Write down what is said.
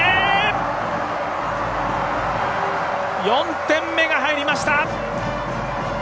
４点目が入りました！